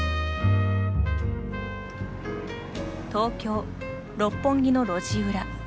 東京六本木の路地裏。